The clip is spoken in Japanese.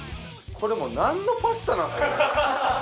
これもうなんのパスタなんですか？